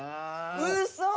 うそ。